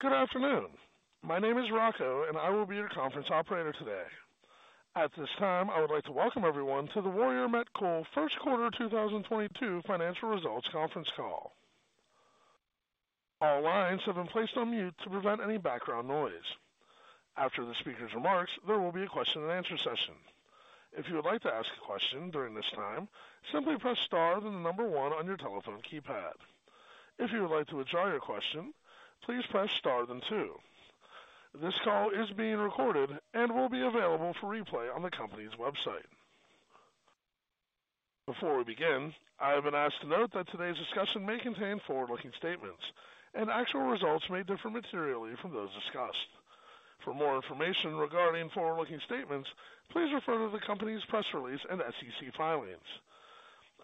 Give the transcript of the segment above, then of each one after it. Good afternoon. My name is Rocco, and I will be your conference operator today. At this time, I would like to welcome everyone to the Warrior Met Coal Q1 2022 financial results conference call. All lines have been placed on mute to prevent any background noise. After the speaker's remarks, there will be a question and answer session. If you would like to ask a question during this time, simply press *, then the number one on your telephone keypad. If you would like to withdraw your question, please press star, then two. This call is being recorded and will be available for replay on the company's website. Before we begin, I have been asked to note that today's discussion may contain forward-looking statements and actual results may differ materially from those discussed. For more information regarding forward-looking statements, please refer to the company's press release and SEC filings.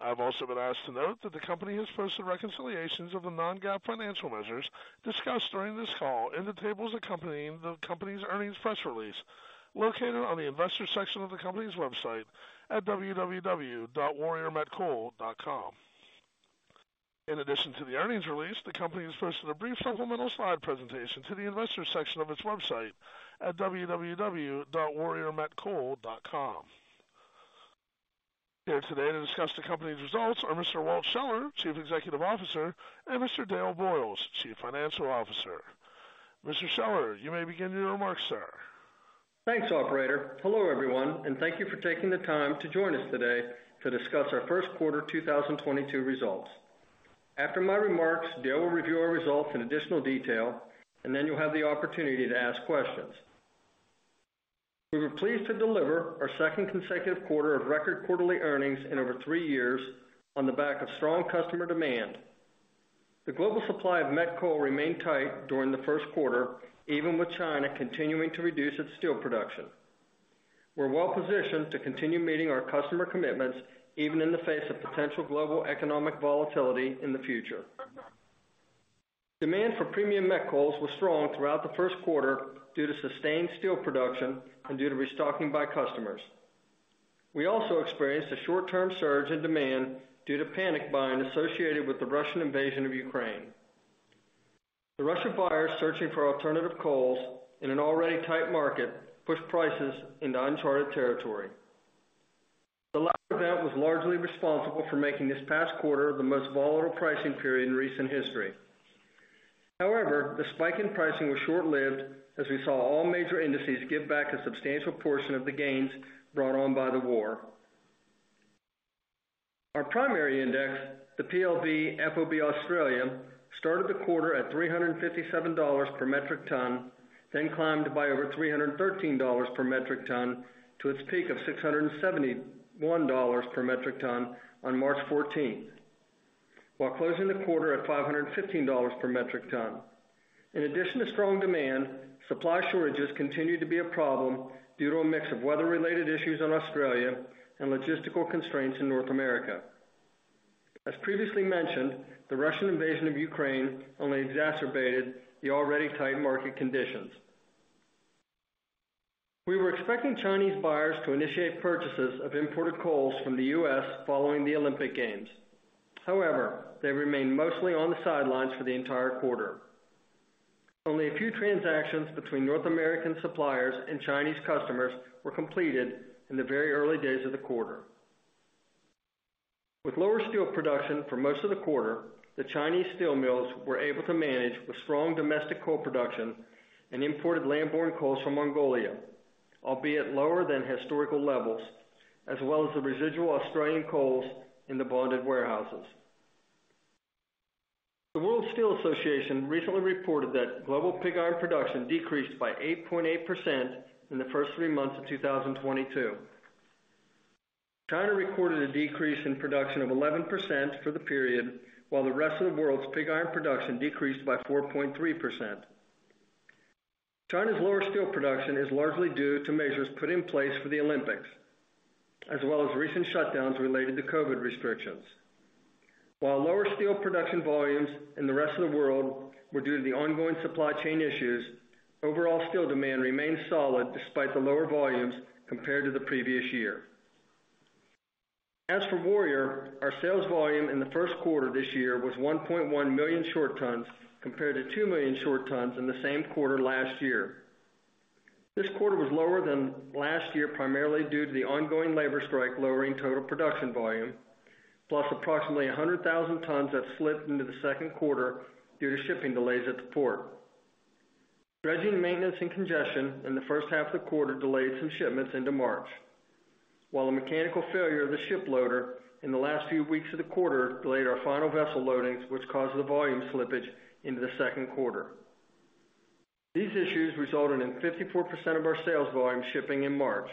I've also been asked to note that the company has posted reconciliations of the non-GAAP financial measures discussed during this call in the tables accompanying the company's earnings press release located on the investor section of the company's website at www.warriormetcoal.com. In addition to the earnings release, the company has posted a brief supplemental slide presentation to the investor section of its website at www.warriormetcoal.com. Here today to discuss the company's results are Mr. Walt Scheller, Chief Executive Officer, and Mr. Dale Boyles, Chief Financial Officer. Mr. Scheller, you may begin your remarks, sir. Thanks, operator. Hello, everyone, and thank you for taking the time to join us today to discuss our Q1 2022 results. After my remarks, Dale will review our results in additional detail, and then you'll have the opportunity to ask questions. We were pleased to deliver our second consecutive quarter of record quarterly earnings in over 3 years on the back of strong customer demand. The global supply of met coal remained tight during the Q1, even with China continuing to reduce its steel production. We're well-positioned to continue meeting our customer commitments, even in the face of potential global economic volatility in the future. Demand for premium met coals was strong throughout the Q1 due to sustained steel production and due to restocking by customers. We also experienced a short-term surge in demand due to panic buying associated with the Russian invasion of Ukraine. The Russian buyers searching for alternative coals in an already tight market pushed prices into uncharted territory. The latter event was largely responsible for making this past quarter the most volatile pricing period in recent history. However, the spike in pricing was short-lived as we saw all major indices give back a substantial portion of the gains brought on by the war. Our primary index, the PLV FOB Australia, started the quarter at $357 per metric ton, then climbed by over $313 per metric ton to its peak of $671 per metric ton on March fourteenth, while closing the quarter at $515 per metric ton. In addition to strong demand, supply shortages continued to be a problem due to a mix of weather-related issues in Australia and logistical constraints in North America. As previously mentioned, the Russian invasion of Ukraine only exacerbated the already tight market conditions. We were expecting Chinese buyers to initiate purchases of imported coals from the U.S. following the Olympic Games. However, they remained mostly on the sidelines for the entire quarter. Only a few transactions between North American suppliers and Chinese customers were completed in the very early days of the quarter. With lower steel production for most of the quarter, the Chinese steel mills were able to manage the strong domestic coal production and imported landborne coals from Mongolia, albeit lower than historical levels, as well as the residual Australian coals in the bonded warehouses. The World Steel Association recently reported that global pig iron production decreased by 8.8% in the first three months of 2022. China recorded a decrease in production of 11% for the period, while the rest of the world's pig iron production decreased by 4.3%. China's lower steel production is largely due to measures put in place for the Olympics, as well as recent shutdowns related to COVID restrictions. While lower steel production volumes in the rest of the world were due to the ongoing supply chain issues, overall steel demand remained solid despite the lower volumes compared to the previous year. As for Warrior, our sales volume in the Q1 this year was 1.1 million short tons compared to 2 million short tons in the same quarter last year. This quarter was lower than last year, primarily due to the ongoing labor strike, lowering total production volume, plus approximately 100,000 tons that slipped into the Q2 due to shipping delays at the port. Dredging maintenance and congestion in the first half of the quarter delayed some shipments into March, while a mechanical failure of the ship loader in the last few weeks of the quarter delayed our final vessel loadings, which caused the volume slippage into the Q2. These issues resulted in 54% of our sales volume shipping in March,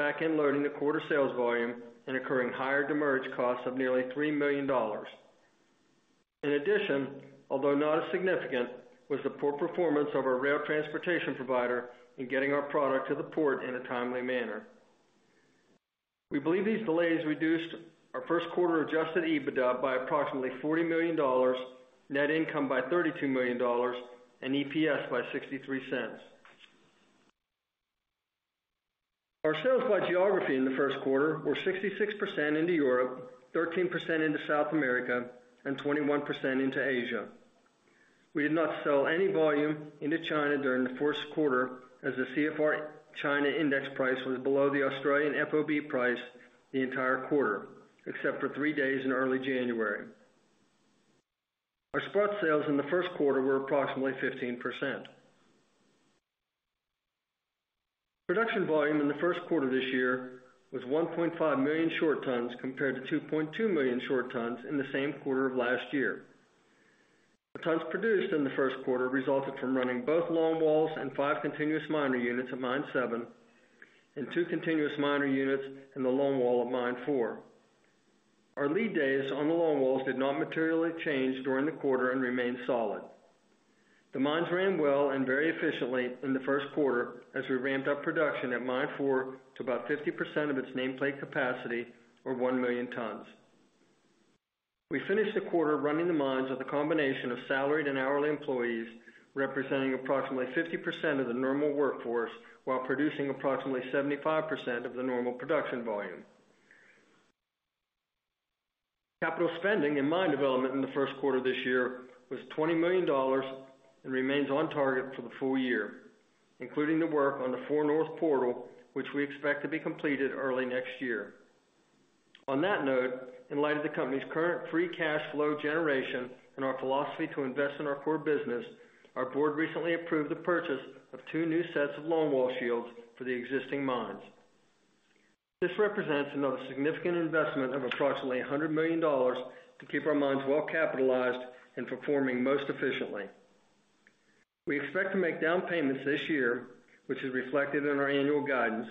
back-end loading the quarter sales volume and incurring higher demurrage costs of nearly $3 million. In addition, although not as significant, was the poor performance of our rail transportation provider in getting our product to the port in a timely manner. We believe these delays reduced our Q1 adjusted EBITDA by approximately $40 million, net income by $32 million, and EPS by $0.63. Our sales by geography in the Q1 were 66% into Europe, 13% into South America, and 21% into Asia. We did not sell any volume into China during the Q1 as the CFR China index price was below the Australian FOB price the entire quarter, except for three days in early January. Our spot sales in the Q1 were approximately 15%. Production volume in the Q1 this year was 1.5 million short tons compared to 2.2 million short tons in the same quarter of last year. The tons produced in the Q1 resulted from running both longwalls and 5 continuous miner units at Mine 7 and 2 continuous miner units in the longwall at Mine 4. Our lead days on the longwalls did not materially change during the quarter and remained solid. The mines ran well and very efficiently in the Q1 as we ramped up production at Mine 4 to about 50% of its nameplate capacity or 1,000,000 tons. We finished the quarter running the mines with a combination of salaried and hourly employees, representing approximately 50% of the normal workforce while producing approximately 75% of the normal production volume. Capital spending in mine development in the Q1 this year was $20 million and remains on target for the full year, including the work on the Four North portal, which we expect to be completed early next year. On that note, in light of the company's current free cash flow generation and our philosophy to invest in our core business, our board recently approved the purchase of two new sets of longwall shields for the existing mines. This represents another significant investment of approximately $100 million to keep our mines well capitalized and performing most efficiently. We expect to make down payments this year, which is reflected in our annual guidance,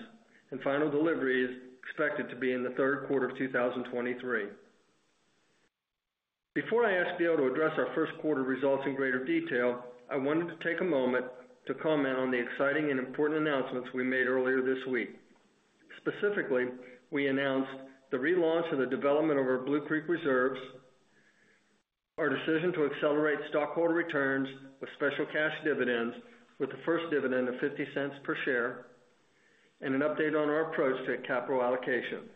and final delivery is expected to be in the Q3 of 2023. Before I ask Dale to address our Q1 results in greater detail, I wanted to take a moment to comment on the exciting and important announcements we made earlier this week. Specifically, we announced the relaunch and the development of our Blue Creek reserves, our decision to accelerate stockholder returns with special cash dividends, with the first dividend of $0.50 per share, and an update on our approach to capital allocation.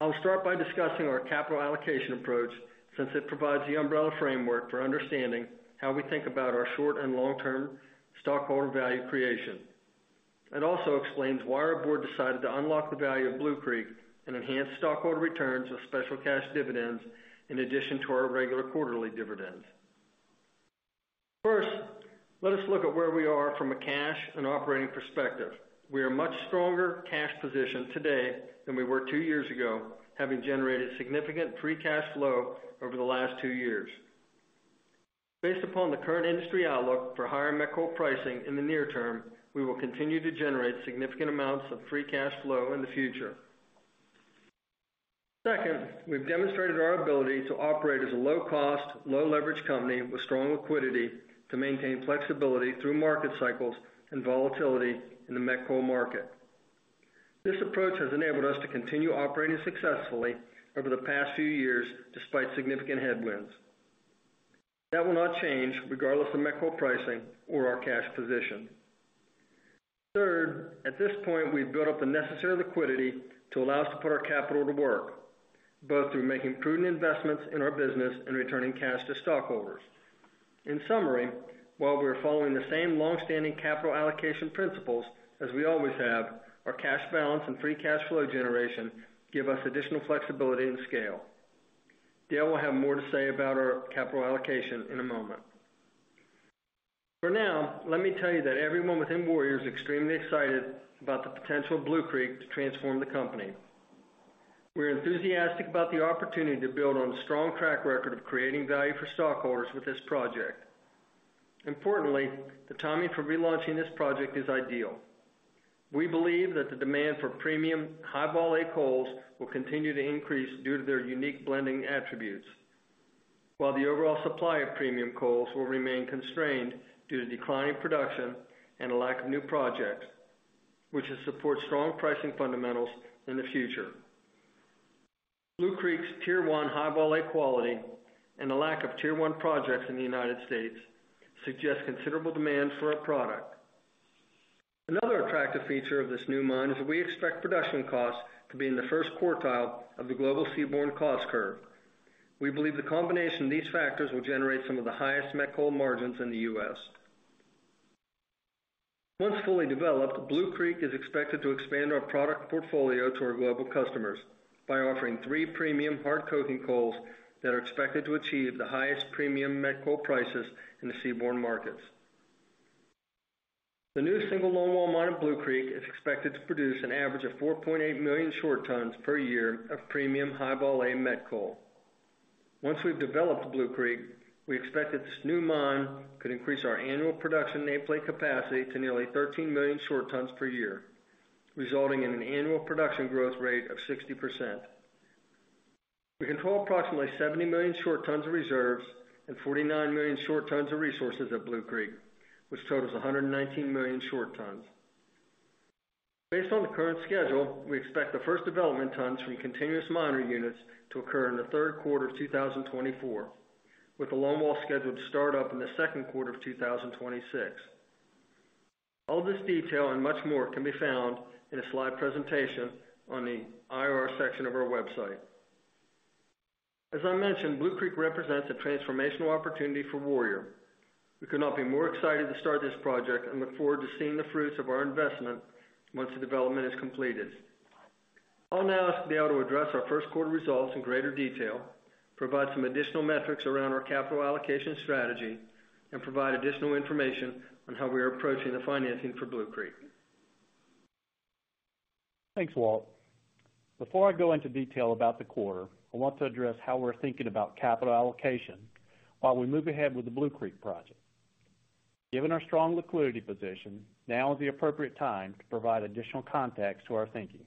I'll start by discussing our capital allocation approach since it provides the umbrella framework for understanding how we think about our short and long-term stockholder value creation. It also explains why our board decided to unlock the value of Blue Creek and enhance stockholder returns with special cash dividends in addition to our regular quarterly dividends. First, let us look at where we are from a cash and operating perspective. We have a much stronger cash position today than we were 2 years ago, having generated significant free cash flow over the last 2 years. Based upon the current industry outlook for higher met coal pricing in the near term, we will continue to generate significant amounts of free cash flow in the future. Second, we've demonstrated our ability to operate as a low-cost, low-leverage company with strong liquidity to maintain flexibility through market cycles and volatility in the met coal market. This approach has enabled us to continue operating successfully over the past few years despite significant headwinds. That will not change regardless of met coal pricing or our cash position. Third, at this point, we've built up the necessary liquidity to allow us to put our capital to work, both through making prudent investments in our business and returning cash to stockholders. In summary, while we're following the same long-standing capital allocation principles as we always have, our cash balance and free cash flow generation give us additional flexibility and scale. Dale will have more to say about our capital allocation in a moment. For now, let me tell you that everyone within Warrior is extremely excited about the potential of Blue Creek to transform the company. We're enthusiastic about the opportunity to build on a strong track record of creating value for stockholders with this project. Importantly, the timing for relaunching this project is ideal. We believe that the demand for premium High Vol A coals will continue to increase due to their unique blending attributes, while the overall supply of premium coals will remain constrained due to declining production and a lack of new projects, which will support strong pricing fundamentals in the future. Blue Creek's Tier 1 High Vol A quality and the lack of Tier 1 projects in the United States suggests considerable demand for our product. Another attractive feature of this new mine is that we expect production costs to be in the first quartile of the global seaborne cost curve. We believe the combination of these factors will generate some of the highest met coal margins in the U.S. Once fully developed, Blue Creek is expected to expand our product portfolio to our global customers by offering three premium hard coking coals that are expected to achieve the highest premium met coal prices in the seaborne markets. The new single longwall mine at Blue Creek is expected to produce an average of 4.8 million short tons per year of premium High Vol A met coal. Once we've developed Blue Creek, we expect that this new mine could increase our annual production nameplate capacity to nearly 13 million short tons per year, resulting in an annual production growth rate of 60%. We control approximately 70 million short tons of reserves and 49 million short tons of resources at Blue Creek, which totals 119 million short tons. Based on the current schedule, we expect the first development tons from continuous miner units to occur in the Q3 of 2024. With the longwall scheduled to start up in the Q2 of 2026. All this detail and much more can be found in a slide presentation on the IR section of our website. As I mentioned, Blue Creek represents a transformational opportunity for Warrior. We could not be more excited to start this project and look forward to seeing the fruits of our investment once the development is completed. I'll now ask Dale to address our Q1 results in greater detail, provide some additional metrics around our capital allocation strategy, and provide additional information on how we are approaching the financing for Blue Creek. Thanks, Walt. Before I go into detail about the quarter, I want to address how we're thinking about capital allocation while we move ahead with the Blue Creek project. Given our strong liquidity position, now is the appropriate time to provide additional context to our thinking.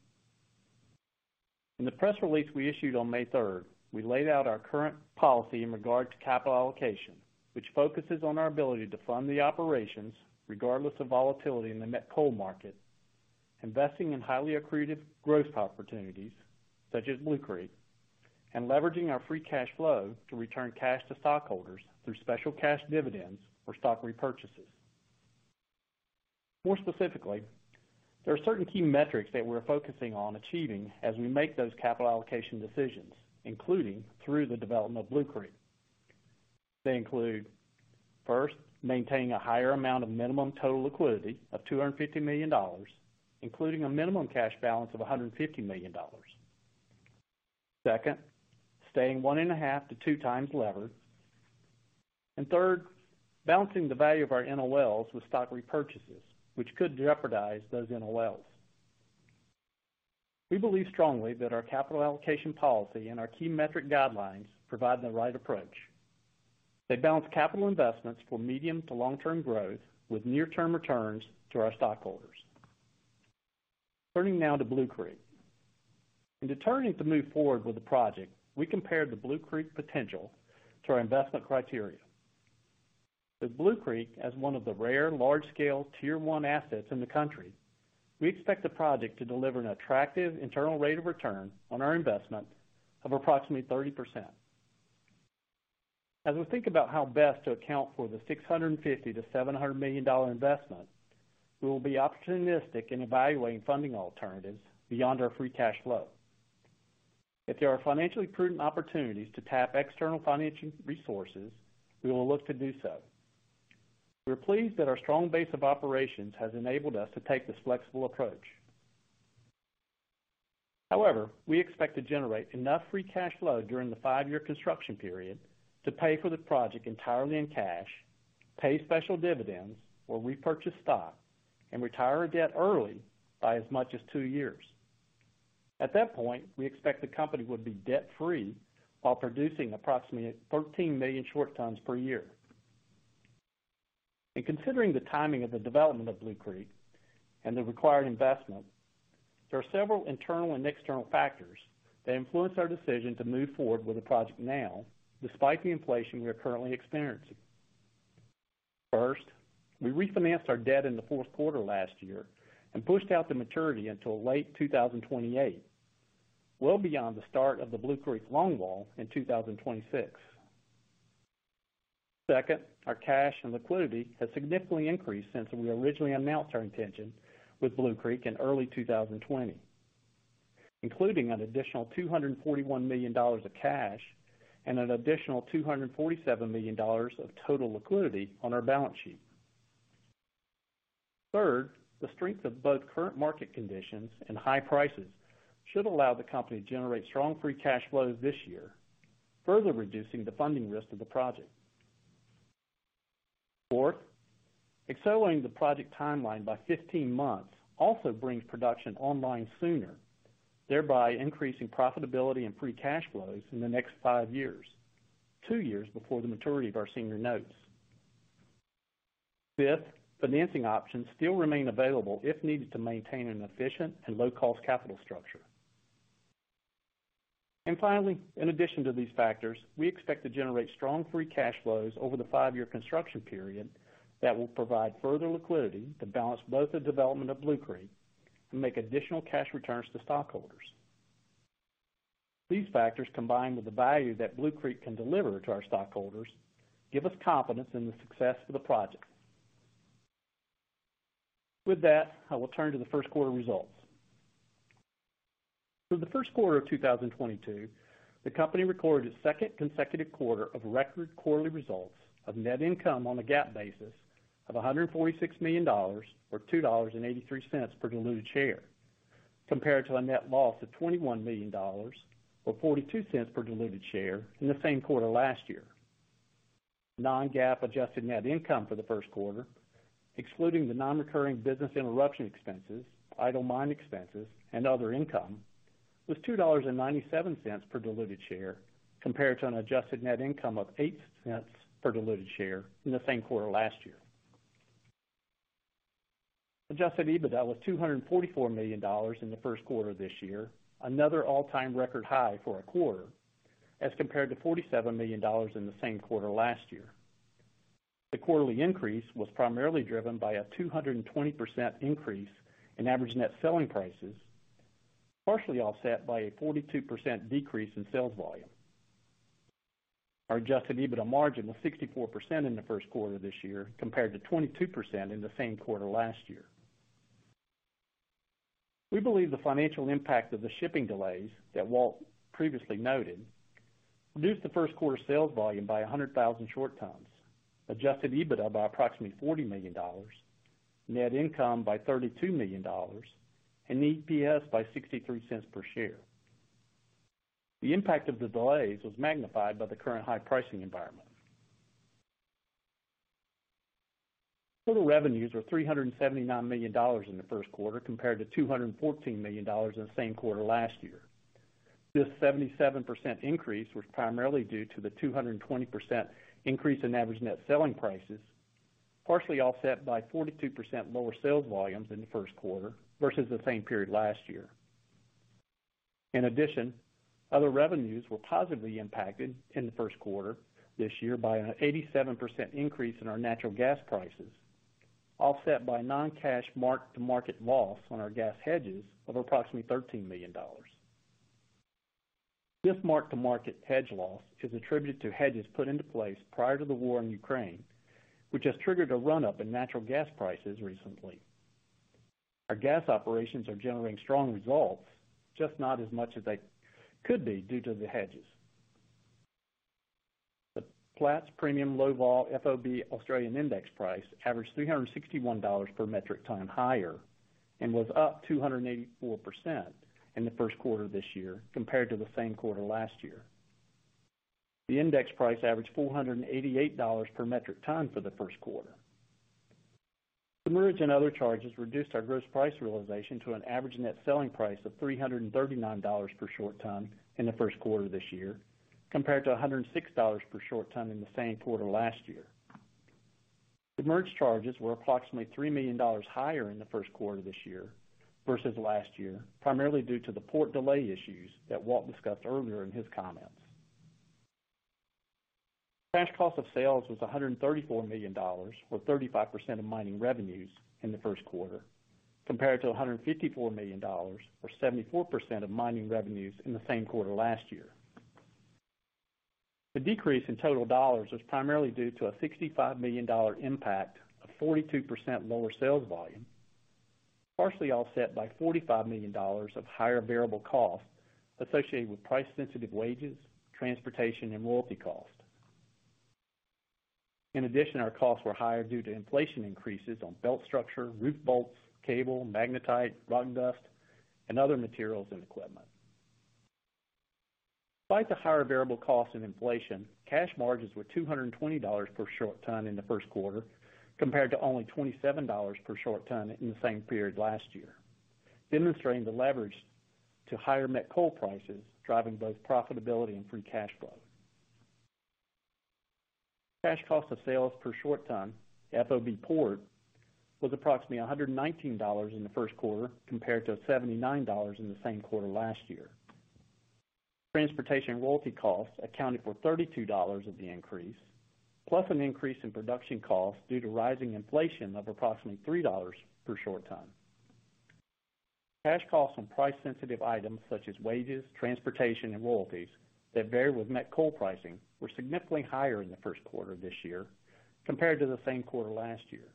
In the press release we issued on May third, we laid out our current policy in regard to capital allocation, which focuses on our ability to fund the operations regardless of volatility in the met coal market, investing in highly accretive growth opportunities such as Blue Creek, and leveraging our free cash flow to return cash to stockholders through special cash dividends or stock repurchases. More specifically, there are certain key metrics that we're focusing on achieving as we make those capital allocation decisions, including through the development of Blue Creek. They include, first, maintaining a higher amount of minimum total liquidity of $250 million, including a minimum cash balance of $150 million. Second, staying 1.5-2 times levered. Third, balancing the value of our NOLs with stock repurchases, which could jeopardize those NOLs. We believe strongly that our capital allocation policy and our key metric guidelines provide the right approach. They balance capital investments for medium- to long-term growth with near-term returns to our stockholders. Turning now to Blue Creek. In determining to move forward with the project, we compared the Blue Creek potential to our investment criteria. With Blue Creek as one of the rare large-scale Tier 1 assets in the country, we expect the project to deliver an attractive internal rate of return on our investment of approximately 30%. As we think about how best to account for the $650 million-$700 million investment, we will be opportunistic in evaluating funding alternatives beyond our free cash flow. If there are financially prudent opportunities to tap external financial resources, we will look to do so. We're pleased that our strong base of operations has enabled us to take this flexible approach. However, we expect to generate enough free cash flow during the five-year construction period to pay for the project entirely in cash, pay special dividends or repurchase stock, and retire our debt early by as much as two years. At that point, we expect the company would be debt-free while producing approximately 13 million short tons per year. In considering the timing of the development of Blue Creek and the required investment, there are several internal and external factors that influence our decision to move forward with the project now despite the inflation we are currently experiencing. First, we refinanced our debt in the Q4 last year and pushed out the maturity until late 2028, well beyond the start of the Blue Creek longwall in 2026. Second, our cash and liquidity has significantly increased since we originally announced our intention with Blue Creek in early 2020, including an additional $241 million of cash and an additional $247 million of total liquidity on our balance sheet. Third, the strength of both current market conditions and high prices should allow the company to generate strong free cash flows this year, further reducing the funding risk of the project. Fourth, accelerating the project timeline by 15 months also brings production online sooner, thereby increasing profitability and free cash flows in the next five years, two years before the maturity of our senior notes. Fifth, financing options still remain available if needed to maintain an efficient and low-cost capital structure. Finally, in addition to these factors, we expect to generate strong free cash flows over the five-year construction period that will provide further liquidity to balance both the development of Blue Creek and make additional cash returns to stockholders. These factors, combined with the value that Blue Creek can deliver to our stockholders, give us confidence in the success of the project. With that, I will turn to the Q1 results. For the Q1 of 2022, the company recorded its second consecutive quarter of record quarterly results of net income on a GAAP basis of $146 million or $2.83 per diluted share, compared to a net loss of $21 million or $0.42 per diluted share in the same quarter last year. Non-GAAP adjusted net income for the Q1, excluding the non-recurring business interruption expenses, idle mine expenses, and other income, was $2.97 per diluted share compared to an adjusted net income of $0.08 per diluted share in the same quarter last year. Adjusted EBITDA was $244 million in the Q1 this year, another all-time record high for a quarter, as compared to $47 million in the same quarter last year. The quarterly increase was primarily driven by a 220% increase in average net selling prices, partially offset by a 42% decrease in sales volume. Our adjusted EBITDA margin was 64% in the Q1 this year compared to 22% in the same quarter last year. We believe the financial impact of the shipping delays that Walt previously noted reduced the Q1 sales volume by 100,000 short tons, adjusted EBITDA by approximately $40 million, net income by $32 million, and EPS by $0.63 per share. The impact of the delays was magnified by the current high pricing environment. Total revenues were $379 million in the Q1 compared to $214 million in the same quarter last year. This 77% increase was primarily due to the 220% increase in average net selling prices, partially offset by 42% lower sales volumes in the Q1 versus the same period last year. In addition, other revenues were positively impacted in the Q1 this year by an 87% increase in our natural gas prices, offset by non-cash mark-to-market loss on our gas hedges of approximately $13 million. This mark-to-market hedge loss is attributed to hedges put into place prior to the war in Ukraine, which has triggered a run-up in natural gas prices recently. Our gas operations are generating strong results, just not as much as they could be due to the hedges. The Platts Premium Low Vol FOB Australia index price averaged $361 per metric ton higher and was up 284% in the Q1 this year compared to the same quarter last year. The index price averaged $488 per metric ton for the Q1. Demurrage and other charges reduced our gross price realization to an average net selling price of $339 per short ton in the Q1 this year, compared to $106 per short ton in the same quarter last year. Demurrage charges were approximately $3 million higher in the Q1 this year versus last year, primarily due to the port delay issues that Walt discussed earlier in his comments. Cash cost of sales was $134 million, or 35% of mining revenues in the Q1, compared to $154 million or 74% of mining revenues in the same quarter last year. The decrease in total dollars was primarily due to a $65 million impact of 42% lower sales volume, partially offset by $45 million of higher variable costs associated with price sensitive wages, transportation, and royalty costs. In addition, our costs were higher due to inflation increases on belt structure, roof bolts, cable, magnetite, rock dust, and other materials and equipment. Despite the higher variable costs and inflation, cash margins were $220 per short ton in the Q1 compared to only $27 per short ton in the same period last year, demonstrating the leverage to higher met coal prices, driving both profitability and free cash flow. Cash cost of sales per short ton FOB port was approximately $119 in the Q1 compared to $79 in the same quarter last year. Transportation royalty costs accounted for $32 of the increase, plus an increase in production costs due to rising inflation of approximately $3 per short ton. Cash costs on price sensitive items such as wages, transportation, and royalties that vary with met coal pricing were significantly higher in the Q1 this year compared to the same quarter last year.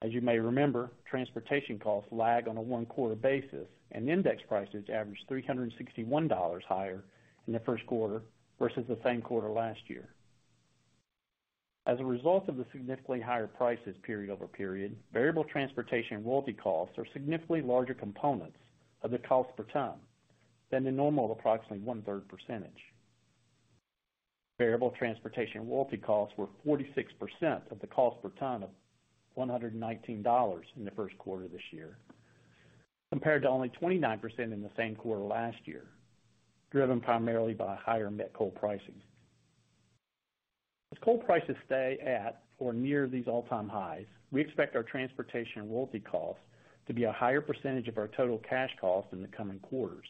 As you may remember, transportation costs lag on a one-quarter basis and index prices averaged $361 higher in the Q1 versus the same quarter last year. As a result of the significantly higher prices period-over-period, variable transportation royalty costs are significantly larger components of the cost per ton than the normal approximately one-third percentage. Variable transportation royalty costs were 46% of the cost per ton of $119 in the Q1 this year, compared to only 29% in the same quarter last year, driven primarily by higher met coal pricing. As coal prices stay at or near these all-time highs, we expect our transportation royalty costs to be a higher percentage of our total cash costs in the coming quarters.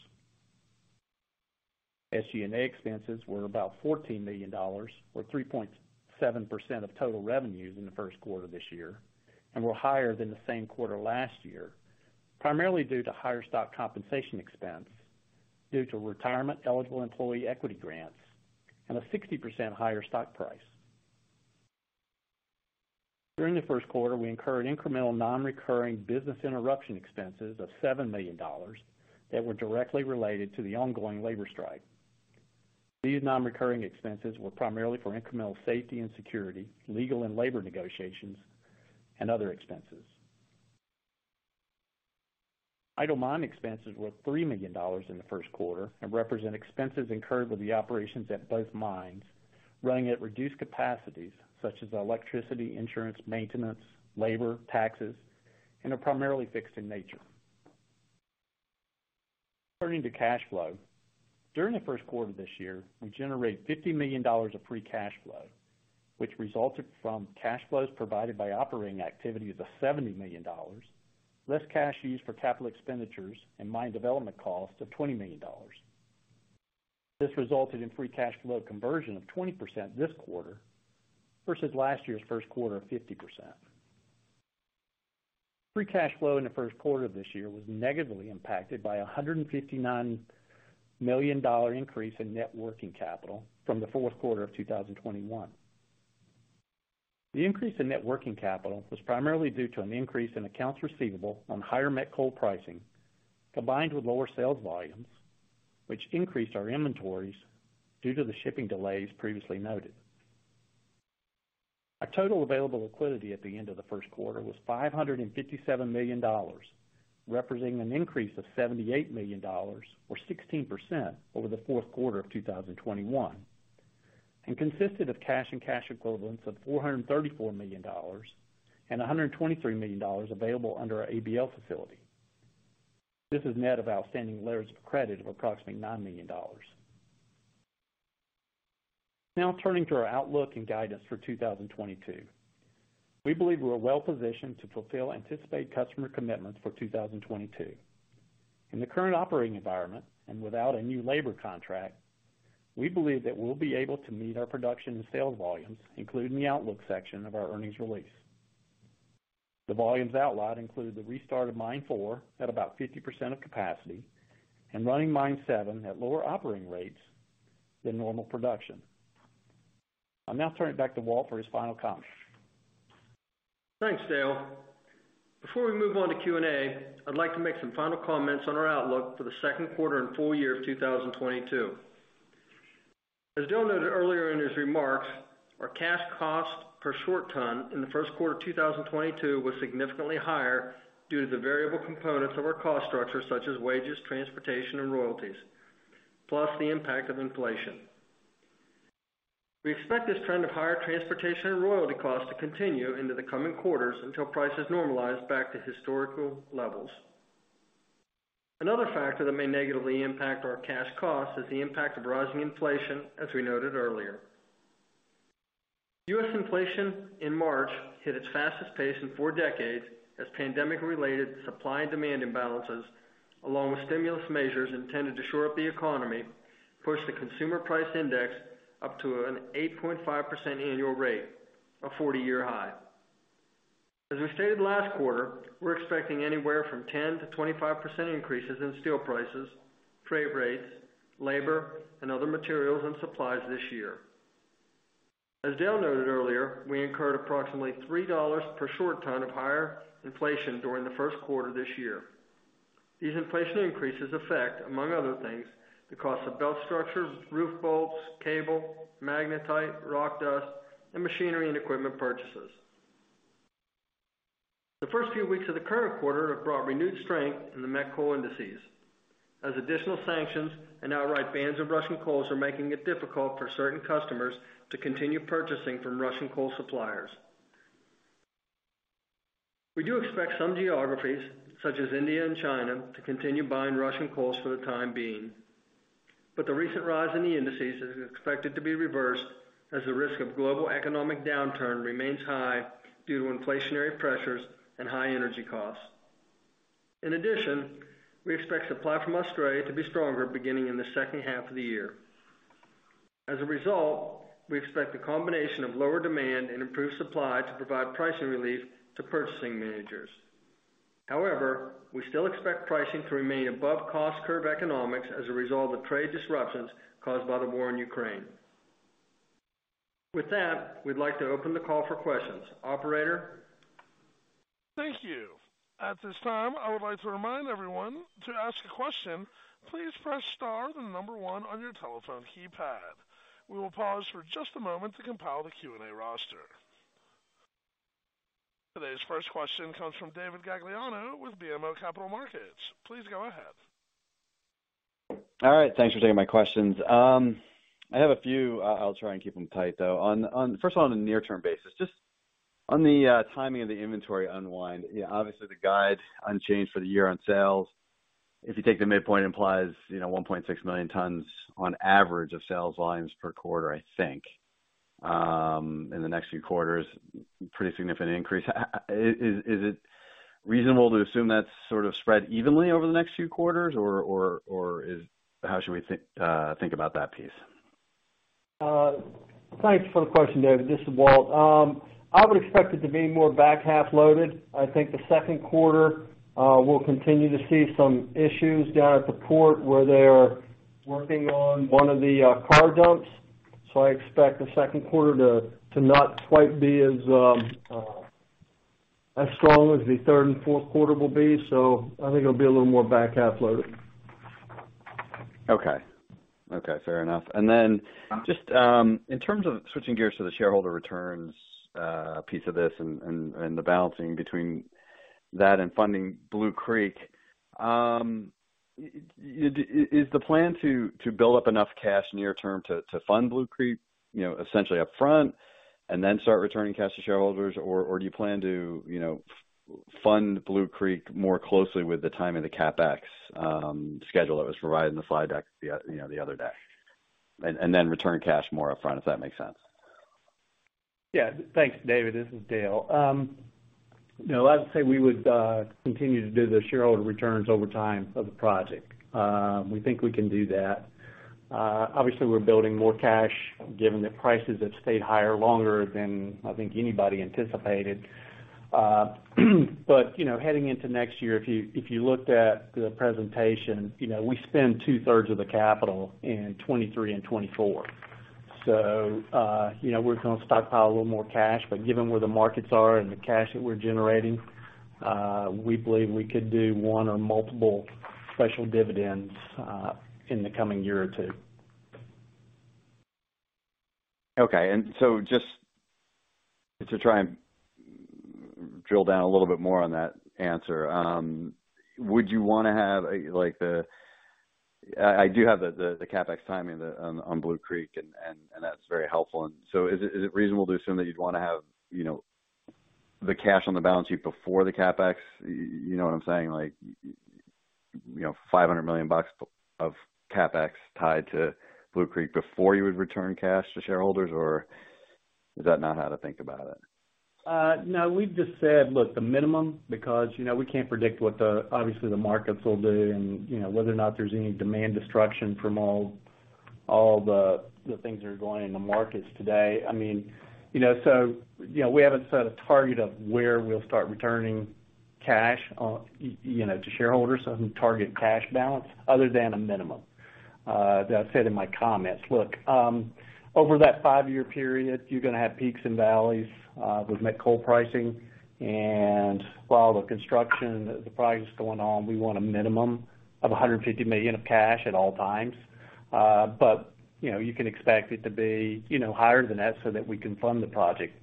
SG&A expenses were about $14 million or 3.7% of total revenues in the Q1 this year and were higher than the same quarter last year, primarily due to higher stock compensation expense due to retirement eligible employee equity grants and a 60% higher stock price. During the Q1, we incurred incremental non-recurring business interruption expenses of $7 million that were directly related to the ongoing labor strike. These non-recurring expenses were primarily for incremental safety and security, legal and labor negotiations, and other expenses. Idle mine expenses were $3 million in the Q1 and represent expenses incurred with the operations at both mines running at reduced capacities such as electricity, insurance, maintenance, labor, taxes, and are primarily fixed in nature. Turning to cash flow. During the Q1 this year, we generated $50 million of free cash flow, which resulted from cash flows provided by operating activities of $70 million, less cash used for capital expenditures and mine development costs of $20 million. This resulted in free cash flow conversion of 20% this quarter versus last year's Q1 of 50%. Free cash flow in the Q1 of this year was negatively impacted by a $159 million increase in net working capital from the Q4 of 2021. The increase in net working capital was primarily due to an increase in accounts receivable on higher met coal pricing, combined with lower sales volumes, which increased our inventories due to the shipping delays previously noted. Our total available liquidity at the end of the Q1 was $557 million, representing an increase of $78 million or 16% over the Q4 of 2021, and consisted of cash and cash equivalents of $434 million and $123 million available under our ABL facility. This is net of outstanding letters of credit of approximately $9 million. Now turning to our outlook and guidance for 2022. We believe we are well-positioned to fulfill anticipated customer commitments for 2022. In the current operating environment and without a new labor contract, we believe that we'll be able to meet our production and sales volumes, including the outlook section of our earnings release. The volumes outlined include the restart of mine 4 at about 50% of capacity and running mine 7 at lower operating rates than normal production. I'll now turn it back to Walt for his final comments. Thanks, Dale. Before we move on to Q&A, I'd like to make some final comments on our outlook for the Q2 and full year of 2022. As Dale noted earlier in his remarks, our cash cost per short ton in the Q1 of 2022 was significantly higher due to the variable components of our cost structure, such as wages, transportation, and royalties, plus the impact of inflation. We expect this trend of higher transportation and royalty costs to continue into the coming quarters until prices normalize back to historical levels. Another factor that may negatively impact our cash costs is the impact of rising inflation, as we noted earlier. U.S. inflation in March hit its fastest pace in four decades as pandemic-related supply and demand imbalances, along with stimulus measures intended to shore up the economy, pushed the Consumer Price Index up to an 8.5% annual rate, a 40-year high. As we stated last quarter, we're expecting anywhere from 10%-25% increases in steel prices, freight rates, labor, and other materials and supplies this year. As Dale noted earlier, we incurred approximately $3 per short ton of higher inflation during the Q1 this year. These inflation increases affect, among other things, the cost of belt structures, roof bolts, cable, magnetite, rock dust, and machinery and equipment purchases. The first few weeks of the current quarter have brought renewed strength in the met coal indices as additional sanctions and outright bans of Russian coals are making it difficult for certain customers to continue purchasing from Russian coal suppliers. We do expect some geographies, such as India and China, to continue buying Russian coals for the time being. The recent rise in the indices is expected to be reversed as the risk of global economic downturn remains high due to inflationary pressures and high energy costs. In addition, we expect supply from Australia to be stronger beginning in the second half of the year. As a result, we expect a combination of lower demand and improved supply to provide pricing relief to purchasing managers. However, we still expect pricing to remain above cost curve economics as a result of trade disruptions caused by the war in Ukraine. With that, we'd like to open the call for questions. Operator? Thank you. At this time, I would like to remind everyone to ask a question, please press star then number one on your telephone keypad. We will pause for just a moment to compile the Q&A roster. Today's first question comes from David Gagliano with BMO Capital Markets. Please go ahead. All right. Thanks for taking my questions. I have a few. I'll try and keep them tight, though. First of all, on a near-term basis, just on the timing of the inventory unwind. You know, obviously the guide unchanged for the year on sales. If you take the midpoint implies, you know, 1.6 million tons on average of sales volumes per quarter, I think, in the next few quarters. Pretty significant increase. Is it reasonable to assume that's sort of spread evenly over the next few quarters? Or, How should we think about that piece? Thanks for the question, David. This is Walt. I would expect it to be more back-half loaded. I think the Q2, we'll continue to see some issues down at the port where they are working on one of the car dumps. I expect the Q2 to not quite be as strong as the third and Q4 will be. I think it'll be a little more back-half loaded. Okay, fair enough. Then just in terms of switching gears to the shareholder returns piece of this and the balancing between that and funding Blue Creek. Is the plan to build up enough cash near term to fund Blue Creek, you know, essentially upfront and then start returning cash to shareholders? Or do you plan to, you know, fund Blue Creek more closely with the timing of the CapEx schedule that was provided in the slide deck, you know, the other deck, and then return cash more upfront, if that makes sense? Yeah. Thanks, David. This is Dale. You know, I'd say we would continue to do the shareholder returns over time of the project. We think we can do that. Obviously, we're building more cash given that prices have stayed higher longer than I think anybody anticipated. You know, heading into next year, if you looked at the presentation, you know, we spend two-thirds of the capital in 2023 and 2024. You know, we're gonna stockpile a little more cash, but given where the markets are and the cash that we're generating, we believe we could do one or multiple special dividends in the coming year or two. Okay. Just to try and drill down a little bit more on that answer, would you wanna have, like, the... I do have the CapEx timing on Blue Creek, and that's very helpful. Is it reasonable to assume that you'd wanna have, you know, the cash on the balance sheet before the CapEx? You know what I'm saying? Like, you know, $500 million of CapEx tied to Blue Creek before you would return cash to shareholders? Or is that not how to think about it? No, we've just said, look, the minimum, because, you know, we can't predict what obviously the markets will do and, you know, whether or not there's any demand destruction from all the things that are going in the markets today. I mean, you know, so, you know, we haven't set a target of where we'll start returning cash, you know, to shareholders. Target cash balance other than a minimum that I said in my comments. Look, over that five-year period, you're gonna have peaks and valleys with met coal pricing. While the construction, the projects going on, we want a minimum of $150 million of cash at all times. You know, you can expect it to be, you know, higher than that so that we can fund the project.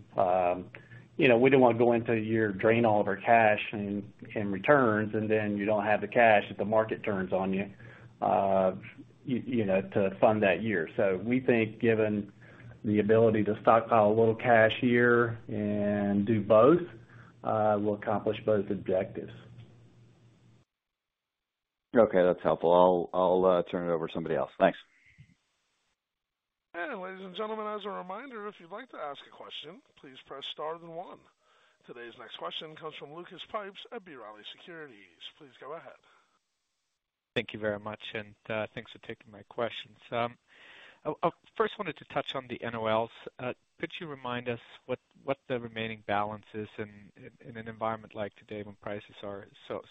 You know, we didn't wanna go into a year, drain all of our cash in returns, and then you don't have the cash if the market turns on you know, to fund that year. We think, given the ability to stockpile a little cash here and do both, we'll accomplish both objectives. Okay, that's helpful. I'll turn it over to somebody else. Thanks. Ladies and gentlemen, as a reminder, if you'd like to ask a question, please press star then one. Today's next question comes from Lucas Pipes at B. Riley Securities. Please go ahead. Thank you very much, thanks for taking my questions. I first wanted to touch on the NOLs. Could you remind us what the remaining balance is in an environment like today when prices are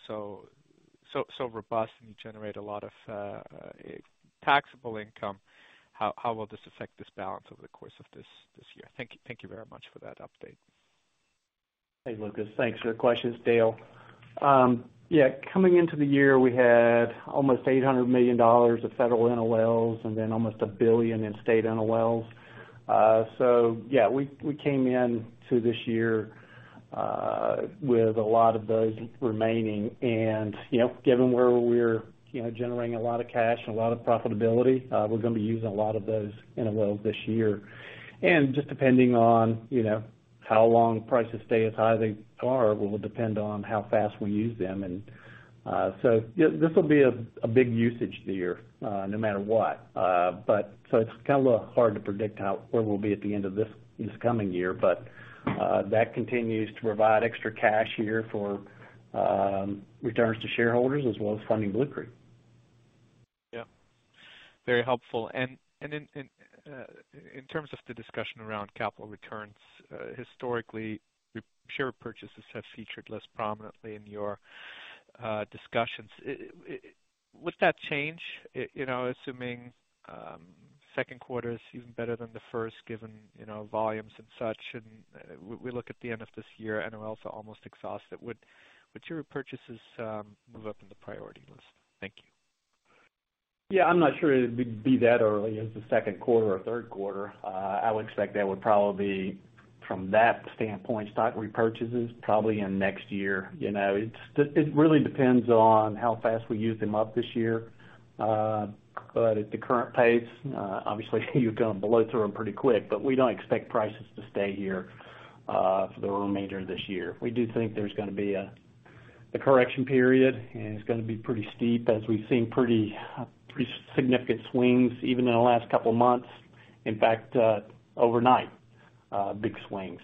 so robust and you generate a lot of taxable income, how will this affect this balance over the course of this year? Thank you. Thank you very much for that update. Hey, Lucas. Thanks for your questions. Dale. Yeah, coming into the year, we had almost $800 million of federal NOLs and then almost $1 billion in state NOLs. Yeah, we came in to this year with a lot of those remaining. You know, given where we're, you know, generating a lot of cash and a lot of profitability, we're gonna be using a lot of those NOLs this year. Just depending on, you know, how long prices stay as high they are will depend on how fast we use them. This will be a big usage year, no matter what. It's kinda hard to predict where we'll be at the end of this coming year. That continues to provide extra cash here for returns to shareholders as well as funding Blue Creek. Yeah. Very helpful. In terms of the discussion around capital returns, historically, share purchases have featured less prominently in your discussions. Would that change? You know, assuming Q2 is even better than the first given you know volumes and such, and we look at the end of this year, NOLs are almost exhausted. Would your purchases move up in the priority list? Thank you. Yeah, I'm not sure it'd be that early as the Q2 or Q3. I would expect that would probably be from that standpoint, stock repurchases probably in next year. You know, it really depends on how fast we use them up this year. But at the current pace, obviously you're gonna blow through them pretty quick, but we don't expect prices to stay here for the remainder of this year. We do think there's gonna be a correction period, and it's gonna be pretty steep as we've seen pretty significant swings even in the last couple of months. In fact, overnight, big swings,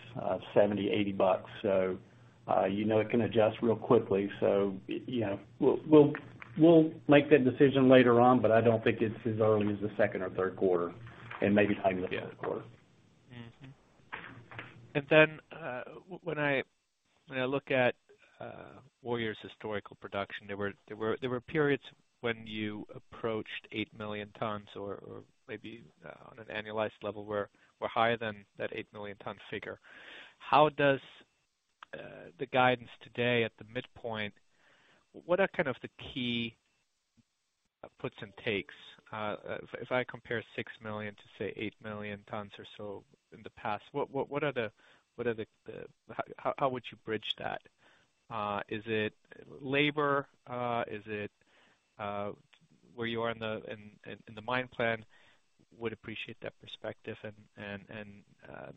$70-$80. You know, it can adjust real quickly. You know, we'll make that decision later on, but I don't think it's as early as the second or Q3 and maybe tying the Q4. When I look at Warrior's historical production, there were periods when you approached 8 million tons or maybe on an annualized level were higher than that 8 million ton figure. How does the guidance today at the midpoint? What are kind of the key puts and takes? If I compare 6 million to, say, 8 million tons or so in the past, what are the how would you bridge that? Is it labor? Is it where you are in the mine plan? Would appreciate that perspective and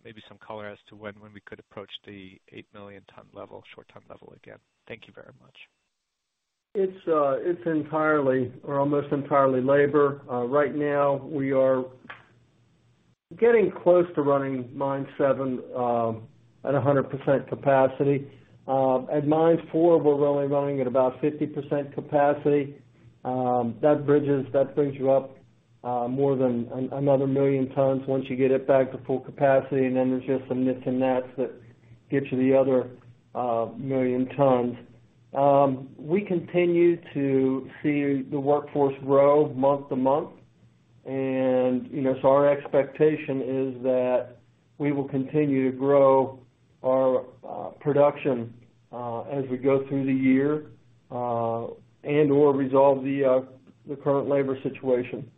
maybe some color as to when we could approach the 8 million ton level, short ton level again. Thank you very much. It's entirely or almost entirely labor. Right now we are getting close to running Mine 7 at 100% capacity. At Mine 4, we're only running at about 50% capacity. That brings you up more than another million tons once you get it back to full capacity. Then there's just some nits and bits that get you the other million tons. We continue to see the workforce grow month to month. You know, our expectation is that we will continue to grow our production as we go through the year and/or resolve the current labor situation.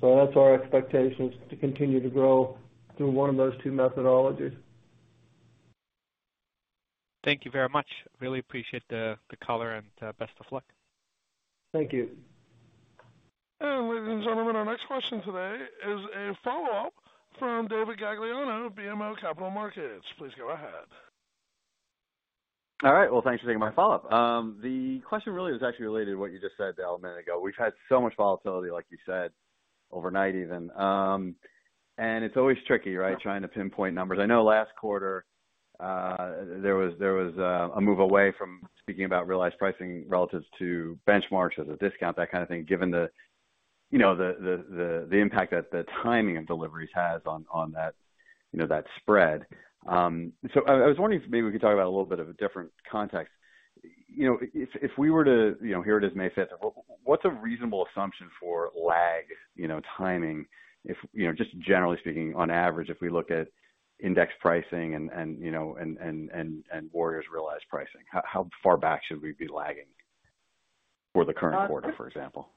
That's our expectation to continue to grow through one of those two methodologies. Thank you very much. Really appreciate the color and best of luck. Thank you. Ladies and gentlemen, our next question today is a follow-up from David Gagliano of BMO Capital Markets. Please go ahead. All right. Well, thanks for taking my follow-up. The question really is actually related to what you just said, Dale, a minute ago. We've had so much volatility, like you said, overnight even. It's always tricky, right, trying to pinpoint numbers. I know last quarter, there was a move away from speaking about realized pricing relatives to benchmarks as a discount, that kind of thing, given the, you know, the impact that the timing of deliveries has on that, you know, that spread. I was wondering if maybe we could talk about a little bit of a different context. You know, if we were to, you know, hear it as May fifth, what's a reasonable assumption for lag, you know, timing if, you know, just generally speaking, on average, if we look at index pricing and, you know, Warrior's realized pricing, how far back should we be lagging for the current quarter, for example?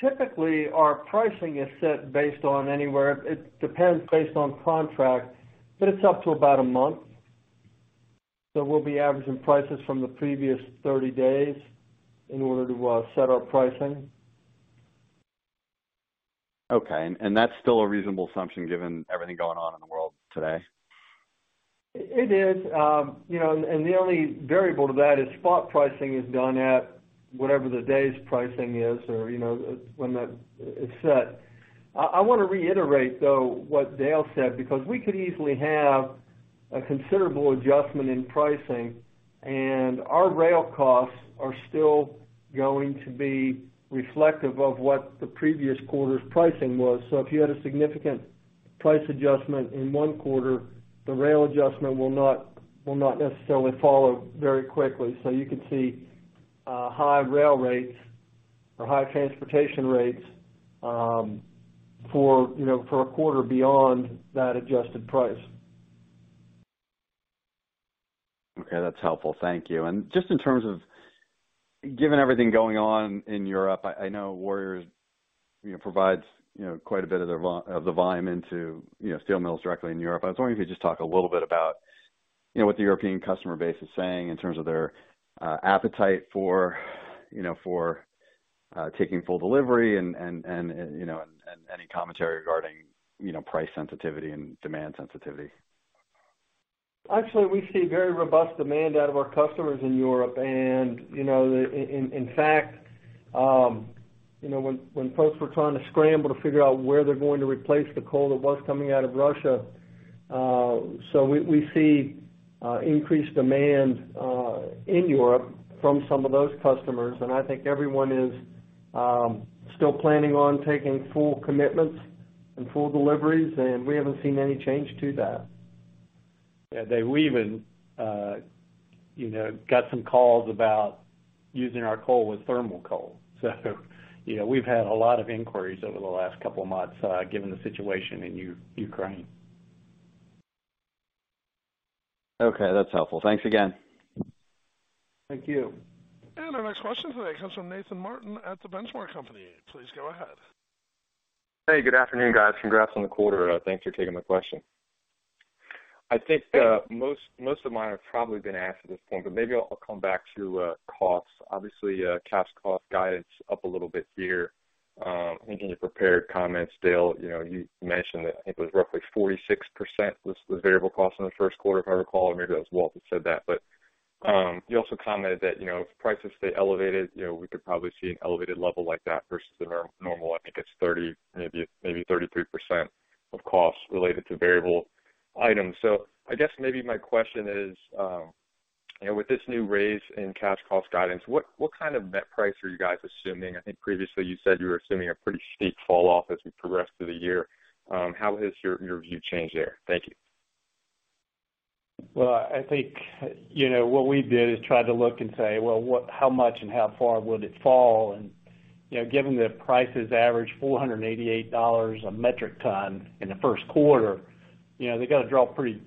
Typically, our pricing is set based on anywhere. It depends based on contract, but it's up to about a month. We'll be averaging prices from the previous 30 days in order to set our pricing. Okay. That's still a reasonable assumption given everything going on in the world today? It is. You know, and the only variable to that is spot pricing is done at whatever the day's pricing is or, you know, when that is set. I wanna reiterate though what Dale said, because we could easily have a considerable adjustment in pricing, and our rail costs are still going to be reflective of what the previous quarter's pricing was. If you had a significant price adjustment in one quarter, the rail adjustment will not necessarily follow very quickly. You could see high rail rates or high transportation rates, you know, for a quarter beyond that adjusted price. Okay. That's helpful. Thank you. Just in terms of given everything going on in Europe, I know Warrior Met Coal provides quite a bit of the volume into steel mills directly in Europe. I was wondering if you could just talk a little bit about what the European customer base is saying in terms of their appetite for taking full delivery and any commentary regarding price sensitivity and demand sensitivity. Actually, we see very robust demand out of our customers in Europe. You know, in fact, you know, when folks were trying to scramble to figure out where they're going to replace the coal that was coming out of Russia, so we see increased demand in Europe from some of those customers, and I think everyone is still planning on taking full commitments and full deliveries, and we haven't seen any change to that. Yeah. Dave, we even, you know, got some calls about using our coal with thermal coal. You know, we've had a lot of inquiries over the last couple of months, given the situation in Ukraine. Okay. That's helpful. Thanks again. Thank you. Our next question today comes from Nathan Martin at The Benchmark Company. Please go ahead. Hey, good afternoon, guys. Congrats on the quarter. Thanks for taking my question. I think most of mine have probably been asked at this point, but maybe I'll come back to costs. Obviously, cash cost guidance up a little bit here. I think in your prepared comments, Dale, you know, you mentioned that I think it was roughly 46% was the variable cost in the Q1, if I recall, or maybe it was Walt that said that. You also commented that, you know, if prices stay elevated, you know, we could probably see an elevated level like that versus the normal. I think it's 30, maybe 33% of costs related to variable items. I guess maybe my question is, you know, with this new raise in cash cost guidance, what kind of net price are you guys assuming? I think previously you said you were assuming a pretty steep fall off as we progress through the year. How has your view changed there? Thank you. Well, I think, you know, what we did is try to look and say, "Well, how much and how far would it fall?" You know, given the prices average $488 a metric ton in the Q1, you know, they gotta drop pretty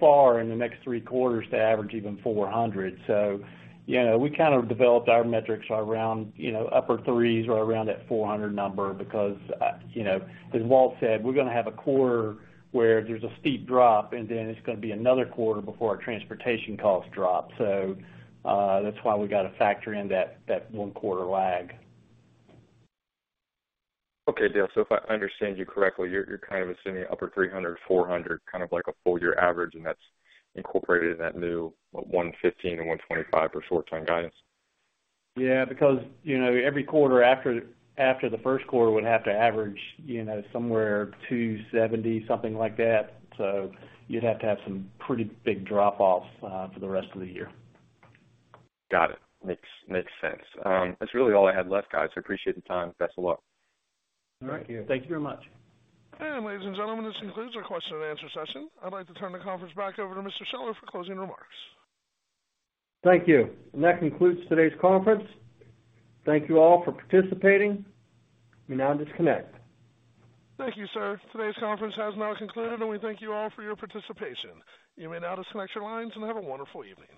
far in the next three quarters to average even 400. You know, we kind of developed our metrics around, you know, upper 300s or around that 400 number because, you know, as Walt said, we're gonna have a quarter where there's a steep drop, and then it's gonna be another quarter before our transportation costs drop. That's why we got to factor in that one quarter lag. Okay, Dale. If I understand you correctly, you're kind of assuming upper $300-$400, kind of like a full year average, and that's incorporated in that new $115 and $125 for short-term guidance. Yeah. Because, you know, every quarter after the Q1 would have to average, you know, somewhere $270, something like that. You'd have to have some pretty big drop off for the rest of the year. Got it. Makes sense. That's really all I had left, guys. I appreciate the time. Best of luck. All right. Thank you very much. Ladies and gentlemen, this concludes our question and answer session. I'd like to turn the conference back over to Mr. Scheller for closing remarks. Thank you. That concludes today's conference. Thank you all for participating. You may now disconnect. Thank you, sir. Today's conference has now concluded, and we thank you all for your participation. You may now disconnect your lines and have a wonderful evening.